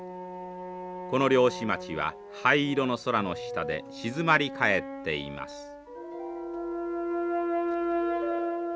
この漁師町は灰色の空の下で静まり返っています。